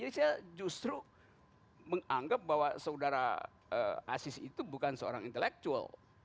jadi saya justru menganggap bahwa saudara abdul aziz itu bukan seorang intelektual